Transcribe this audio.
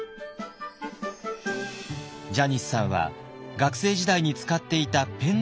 ジャニスさんは学生時代に使っていたペンネームが